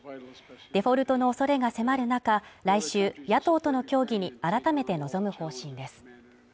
デフォルトの恐れが迫る中、来週、野党との協議に改めて臨む方針です。